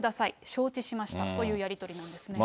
承知しましたというやり取りなんですね。